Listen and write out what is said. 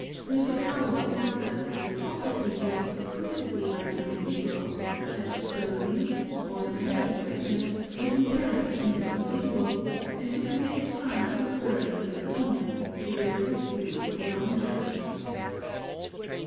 Major Powell tells us that the property used exclusively by the individual, such as clothing, ornaments, and weapons, was inherent in the indivitlual, and to prevent strife was Iniried with the owner, together with food for the long journey.